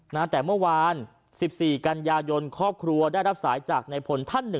ตั้งแต่เมื่อวาน๑๔กันยายนครอบครัวได้รับสายจากในพลท่านหนึ่ง